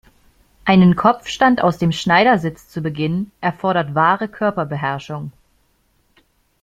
Einen Kopfstand aus dem Schneidersitz zu beginnen, erfordert wahre Körperbeherrschung.